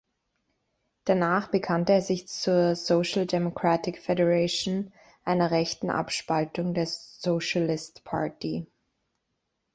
Danach bekannte er sich zur «Social Democratic Federation», einer rechten Abspaltung der Socialist Party".